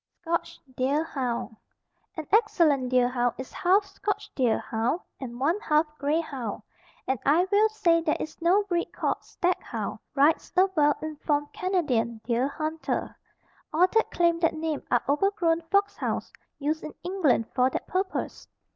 SCOTCH DEER HOUND. An excellent deer hound is half scotch deer hound and one half grey hound, and I will say there is no breed called stag hound, writes a well informed Canadian deer hunter. All that claim that name are overgrown fox hounds used in England for that purpose.